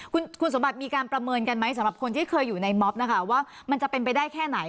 คุณสมบัติมีการประเมินกันไหมสำหรับคนที่เคยอยู่ในม็อบนะคะว่ามันจะเป็นไปได้แค่ไหน